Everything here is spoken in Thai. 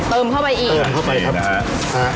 เติมเข้าไปอีก